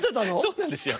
そうなんですよ。